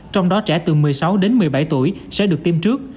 trong đó trẻ từ một mươi sáu đến một mươi bảy tuổi sẽ được tiêm trước